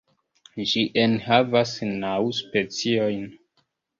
Ĝi enhavas naŭ speciojn.